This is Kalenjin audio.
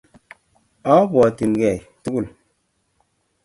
Abwatin atkei tugul